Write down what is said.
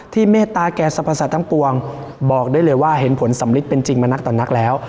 เมตตาแก่สรรพสัตว์ทั้งปวงบอกได้เลยว่าเห็นผลสำลิดเป็นจริงมานักต่อนักแล้ว